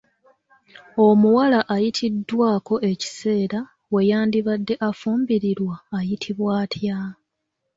Omuwala ayitiddwako ekiseera we yandibadde afumbirirwa ayitibwa atya?